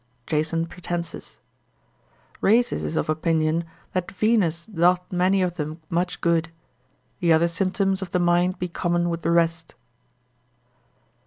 (Jason Pratensis) Rhasis is of opinion, that Venus doth many of them much good; the other symptoms of the mind be common with the rest.